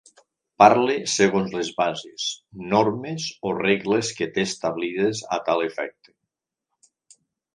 Parle segons les bases, normes o regles que té establides a tal efecte.